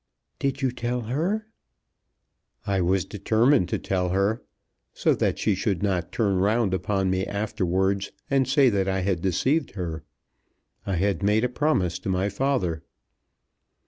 "Did you tell her?" "I was determined to tell her; so that she should not turn round upon me afterwards and say that I had deceived her. I had made a promise to my father."